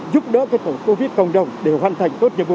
giúp đỡ tổ covid cộng đồng để hoàn thành tốt nhiệm vụ